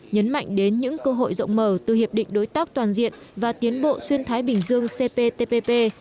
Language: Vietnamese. nhấn mạnh đến những cơ hội rộng mở từ hiệp định đối tác toàn diện và tiến bộ xuyên thái bình dương cptpp